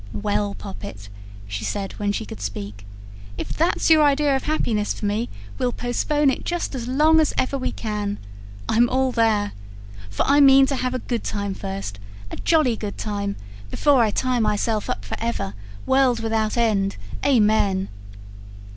"Well, Poppet," she said when she could speak, "if that's your idea of happiness for me, we'll postpone it just as long as ever we can. I'm all there. For I mean to have a good time first a jolly good time before I tie myself up for ever, world without end, amen."